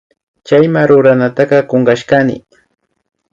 Chayma ruranataka kunkashkani